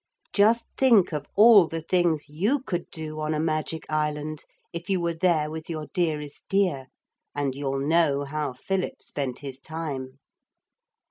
Just think of all the things you could do on a magic island if you were there with your dearest dear, and you'll know how Philip spent his time.